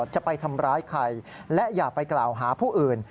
จะไปทำร้ายใครและอย่าไปกล่าวหาผู้อื่น